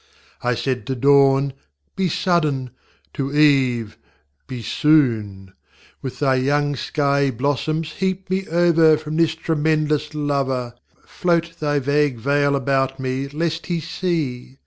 I said to Dawn: Be suddenŌĆöto Eve: Be soon; With thy young skiey blossoms heap me over From this tremendous LoverŌĆö Float thy vague veil about me, lest He see!